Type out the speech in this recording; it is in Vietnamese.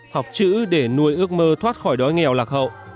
học chữ để nuôi ước mơ thoát khỏi đói nghèo lạc hậu